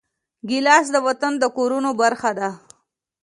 ګیلاس د وطن د کورونو برخه ده.